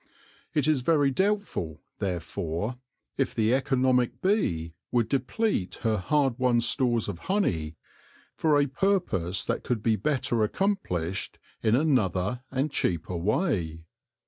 It is very doubtful, therefore, if the economic bee would deplete her hard won stores of honey for a purpose that could be better accomplished in another and cheaper way.